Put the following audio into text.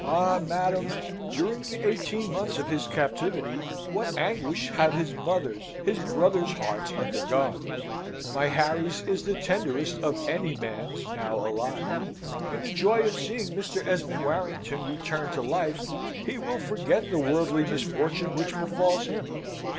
Ah, madam! During the eighteen months of his captivity, what anguish have his mother's, his brother's, hearts undergone! My Harry's is the tenderest of any man's now alive. In the joy of seeing Mr. Esmond Warrington returned to life, he will forget the worldly misfortune which befalls him.